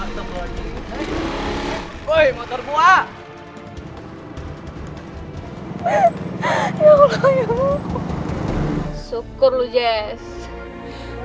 syukur lo jess